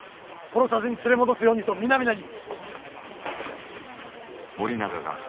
殺さずに連れ戻すようにと皆々に。